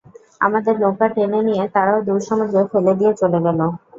আমাদের নৌকা টেনে নিয়ে তারাও দূর সমুদ্রে ফেলে দিয়ে চলে গেল।